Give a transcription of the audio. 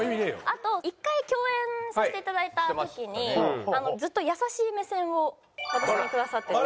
あと１回共演させて頂いた時にずっと優しい目線を私にくださってて。